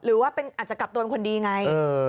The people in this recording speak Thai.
หรือว่าอาจจะกลับตัวเป็นคนดีไง